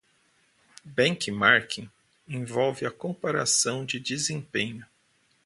Benchmarking envolve a comparação de desempenho.